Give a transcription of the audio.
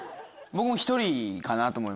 僕も１人かなと思います。